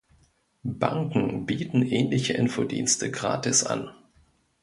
Banken bieten ähnliche Info-Dienste gratis an.